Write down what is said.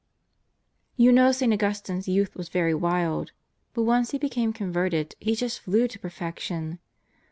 You know St. Augustine's youth was very wild. But once he became converted, he just flew to perfection.